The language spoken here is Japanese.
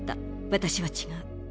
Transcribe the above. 私は違う。